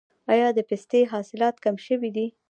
آیا د پستې حاصلات کم شوي دي؟